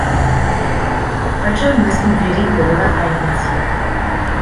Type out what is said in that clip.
Heute müssen wir die Bürger einbeziehen.